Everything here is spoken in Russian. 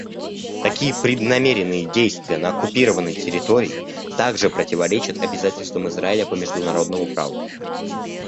Такие преднамеренные действия на оккупированной территории также противоречат обязательствам Израиля по международному праву».